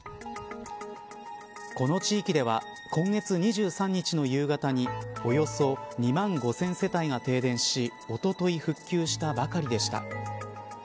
この地域では今月２３日の夕方におよそ２万５０００世帯が停電しおととい復旧したばかりでした。